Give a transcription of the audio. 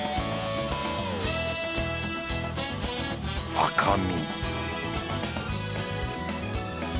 赤身